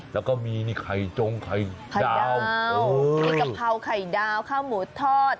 แล้วก็มีนี่ไข่จงไข่ดาวมีกะเพราไข่ดาวข้าวหมูทอด